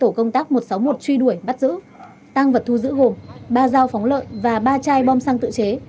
tổ công tác một trăm sáu mươi một truy đuổi bắt giữ tăng vật thu giữ gồm ba dao phóng lợi và ba chai bom xăng tự chế